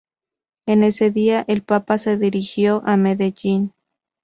En ese día, el papa se dirigió a Medellín.